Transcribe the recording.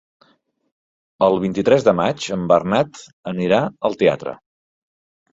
El vint-i-tres de maig en Bernat anirà al teatre.